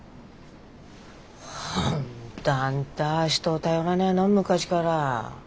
本当あんたは人を頼らねえの昔から。